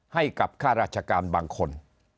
ให้กับค่าราชการบางคน